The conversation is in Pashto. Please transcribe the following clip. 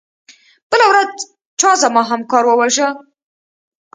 بله ورځ چا زما همکار وواژه.